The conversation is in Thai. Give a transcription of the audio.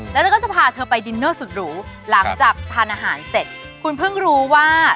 แล้วเธอก็จะพาเธอไปดินเนอร์สุดหรูหลังจากทานอาหารเสร็จคุณเพิ่งรู้ว่า